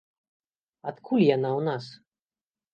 Адкуль яна ў нас?